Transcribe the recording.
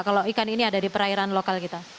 kalau ikan ini ada di perairan lokal kita